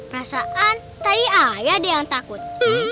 perasaan tadi ayah dia yang takut